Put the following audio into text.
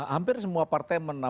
hampir semua partai